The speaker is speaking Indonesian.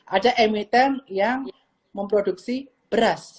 ada emiten yang memproduksi beras